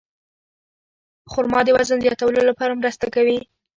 خرما د وزن زیاتولو لپاره مرسته کوي.